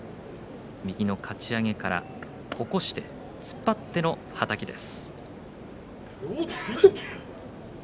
右のかち上げから起こして突っ張ってからのはたきです。